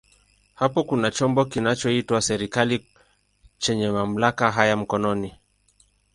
Hapo kuna chombo kinachoitwa serikali chenye mamlaka haya mkononi.